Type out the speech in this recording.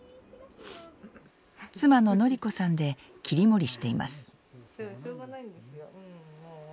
妻の典子さんで切り盛りしています。